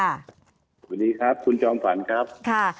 วันนี้ครับคุณจอมฝรรด์ครับ